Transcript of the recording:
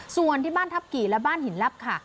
ส่วนที่บ้านทัพกี่และบ้านหินลับค่ะ